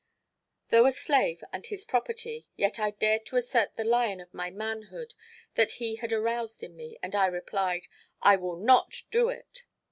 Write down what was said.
Though a slave, and his property, yet I dared to assert the lion of my manhood that he had aroused in me, and I replied, "I will not do it!"